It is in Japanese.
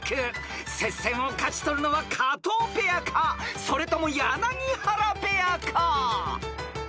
［接戦を勝ち取るのは加藤ペアかそれとも柳原ペアか？］